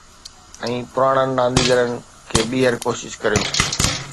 ۽ پراڻن رانديگرن کي ٻيهر ڪوشش ڪريو